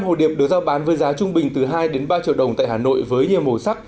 năm hồ điệp được giao bán với giá trung bình từ hai ba triệu đồng tại hà nội với nhiều màu sắc